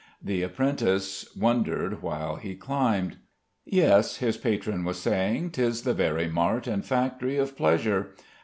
The apprentice wondered while he climbed. "Yes," his patron was saying, "'tis the very mart and factory of pleasure.